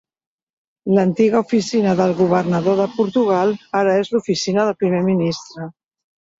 L'antiga oficina del governador de Portugal ara és l'oficina del primer ministre.